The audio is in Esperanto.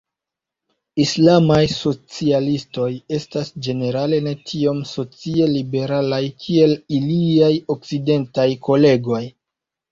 Islamaj socialistoj estas ĝenerale ne tiom socie liberalaj kiel iliaj okcidentaj kolegoj.